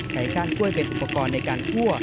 ใช้ก้านกล้วยเป็นอุปกรณ์ในการทั่ว